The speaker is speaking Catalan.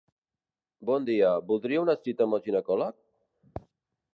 Bon dia, voldria una cita amb el ginecòleg?